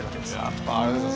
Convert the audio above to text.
やっぱあれでしょ。